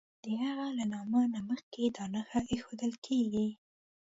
د هغه له نامه نه مخکې دا نښه ایښودل کیږي.